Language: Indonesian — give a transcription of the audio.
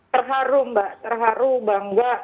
terharu mbak terharu bangga